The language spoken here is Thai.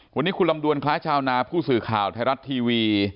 วันนี้คุณลำดวนคล้ายชาวนาผู้สื่อข่าวไทยรัฐทีวี